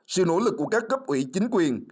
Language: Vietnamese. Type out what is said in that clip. sự nỗ lực của các cấp ủy chính quyền